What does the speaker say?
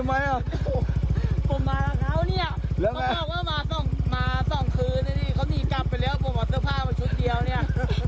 ไม่มีเลยนะครับผมไม่มีเสื้อผ้าใกล้เลยเนี่ย